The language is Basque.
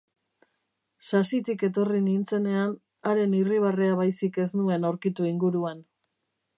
Sasitik etorri nintzenean, haren irribarrea baizik ez nuen aurkitu inguruan.